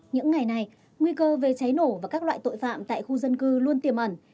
những ngày này nguy cơ về cháy nổ và các loại tội phạm tại khu dân cư luôn tiềm ẩn